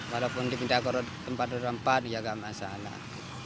walaupun di pindah ke tempat roda empat ya enggak masalah